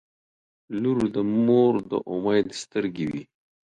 • لور د مور د امید سترګې وي.